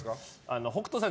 北斗さん